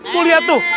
mau liat tuh